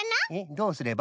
どうすれば？